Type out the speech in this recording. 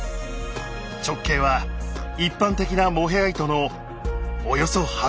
直径は一般的なモヘア糸のおよそ半分。